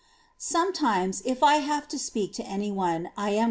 6. Sometimes, if I have to speak to any one, I am Solitude.